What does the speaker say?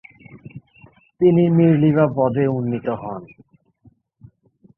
তিনি মীরলিভা পদে উন্নীত হন।